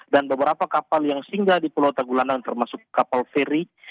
dan beberapa kapal yang singgah di pulau tagulandang termasuk kapal feri